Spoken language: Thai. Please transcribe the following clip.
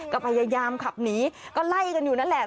ก็พยายามขับหนีก็ไล่กันอยู่นั่นแหละ